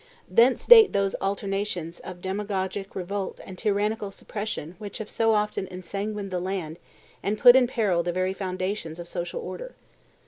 Thence date those alternations of demagogic revolt and tyrannical suppression which have so often ensanguined the land and put in peril the very foundations of social order.